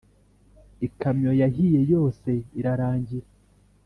Ikamyo yahiye yose irarangira